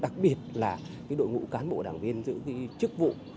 đặc biệt là đội ngũ cán bộ đảng viên giữ chức vụ